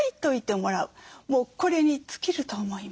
もうこれに尽きると思います。